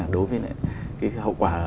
đối với cái hậu quả